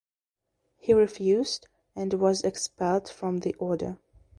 He refused and was expelled from the order.